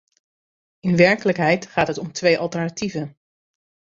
In werkelijkheid gaat het om twee alternatieven.